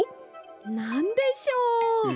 なんでしょう？